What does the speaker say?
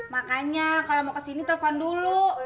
makanya kalau mau kesini telpon dulu